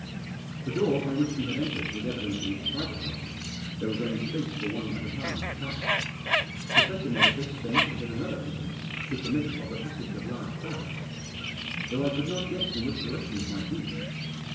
The door by which we had entered was evidently a private one. There was only space for one at a time to pass. To such an edifice there must have been another entrance, to permit of the passage of large Digitized by THE THRONE IN THE CENTRE. 245 crowds. Though I could not guess in which direction it might be.